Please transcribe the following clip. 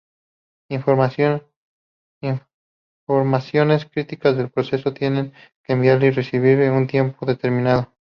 Informaciones críticas del proceso tienen que enviarse y recibirse en un tiempo determinado.